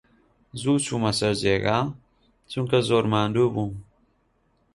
زوو چوومە سەر جێگا، چونکە زۆر ماندوو بووم.